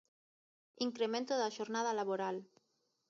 Incremento da xornada laboral.